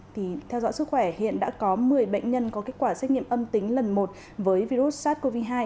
thì theo dõi sức khỏe hiện đã có một mươi bệnh nhân có kết quả xét nghiệm âm tính lần một với virus sars cov hai